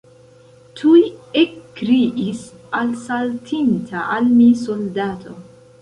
Tuj ekkriis alsaltinta al mi soldato.